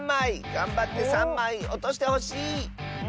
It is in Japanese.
がんばって３まいおとしてほしい！